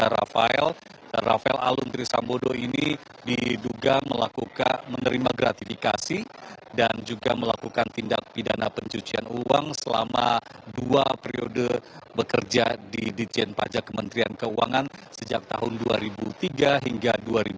rafael rafael alun trisambodo ini diduga melakukan menerima gratifikasi dan juga melakukan tindak pidana pencucian uang selama dua periode bekerja di dijen pajak kementerian keuangan sejak tahun dua ribu tiga hingga dua ribu dua puluh